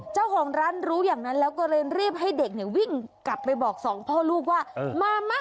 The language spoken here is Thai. เจ้าของร้านรู้อย่างนั้นแล้วก็เลยรีบให้เด็กเนี่ยวิ่งกลับไปบอกสองพ่อลูกว่ามาไหม